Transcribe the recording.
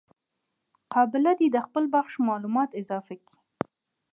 قابله دي د خپل بخش معلومات اضافه کي.